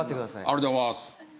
ありがとうございます。